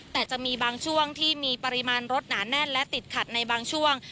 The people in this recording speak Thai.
แต่จะมีบางช่วงที่มีปริมาณรถหนาแน่นและติดขัดในบางช่วง